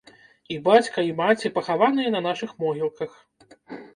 І бацька, і маці пахаваныя на нашых могілках.